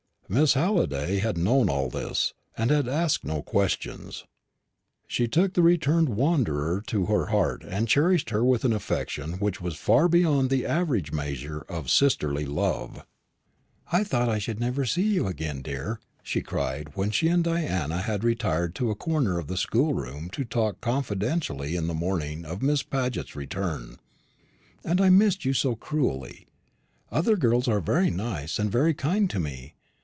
Miss Halliday had known all this, and had asked no questions. She took the returned wanderer to her heart, and cherished her with an affection which was far beyond the average measure of sisterly love. "I thought I should never see you again, dear," she cried when she and Diana had retired to a corner of the schoolroom to talk confidentially on the morning of Miss Paget's return; "and I missed you so cruelly. Other girls are very nice and very kind to me.